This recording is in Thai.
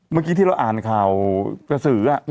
เมื่อกี้ที่เราอ่านข่าวกระสือ